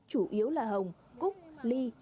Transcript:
chủ yếu là hồng cúc ly